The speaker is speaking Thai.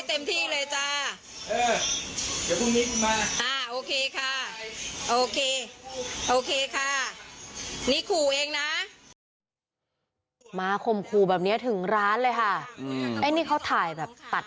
เต็มที่เลยจ้าเออเดี๋ยวพุ่งนี้มาอ่ะโอเคค่ะ